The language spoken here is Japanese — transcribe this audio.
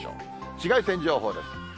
紫外線情報です。